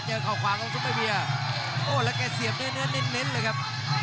เจอข่าวขวาของซุปเปอร์เบียร์โอ้แล้วแก่เสียบเนื้อนิดเลยครับ